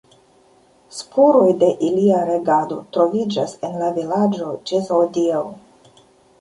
Spuroj de ilia regado troviĝas en la vilaĝo ĝis hodiaŭ.